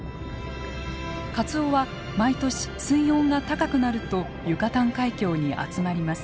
カツオは毎年水温が高くなるとユカタン海峡に集まります。